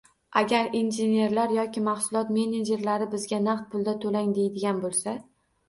Agar injenerlar yoki mahsulot menejerlari bizga naqd pulda toʻlang deydigan boʻlsa